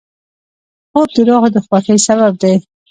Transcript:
خوب د روح د خوښۍ سبب دی